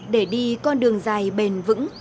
để đi con đường dài bền vững